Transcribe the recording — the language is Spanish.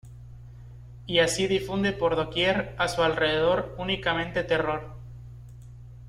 Y así difunde por doquier a su alrededor únicamente terror.